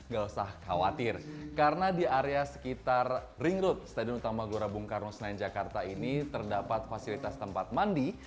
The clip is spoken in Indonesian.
gak usah khawatir karena di area sekitar ring road stadion utama gelora bung karno senayan jakarta ini terdapat fasilitas tempat mandi